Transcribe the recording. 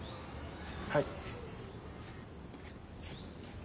はい。